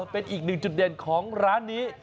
เป็นอีกหนึ่งจุดเด่นของร้านนี้